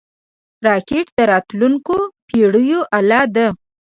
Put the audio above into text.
راکټ د راتلونکو پېړیو اله ده